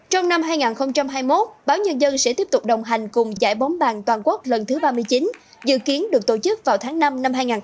trong năm hai nghìn hai mươi một báo nhân dân sẽ tiếp tục đồng hành cùng giải bóng bàn toàn quốc lần thứ ba mươi chín dự kiến được tổ chức vào tháng năm năm hai nghìn hai mươi bốn